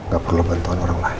gak perlu bantuan orang lain